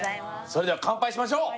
それでは乾杯しましょう！